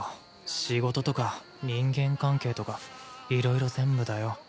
仕事とか人間関係とかいろいろ全部だよ。